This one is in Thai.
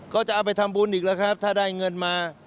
ก็จะเอาไปทำบุญอีกแล้วครับถ้าได้เงินมา